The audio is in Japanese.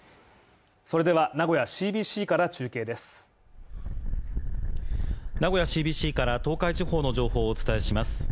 それでは、名古屋ＣＢＣから中継です。